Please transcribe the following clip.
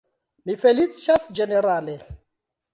Mi feliĉas ĝenerale!